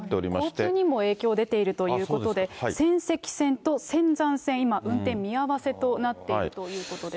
交通にも影響が出ているということで、仙石線と仙山線、今、運転見合わせとなっているということです。